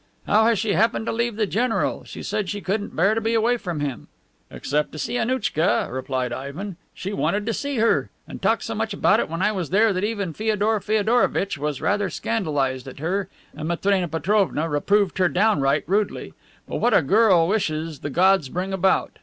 "How has she happened to leave the general? She said she couldn't bear to be away from him." "Except to see Annouchka," replied Ivan. "She wanted to see her, and talked so about it when I was there that even Feodor Feodorovitch was rather scandalized at her and Matrena Petrovna reproved her downright rudely. But what a girl wishes the gods bring about.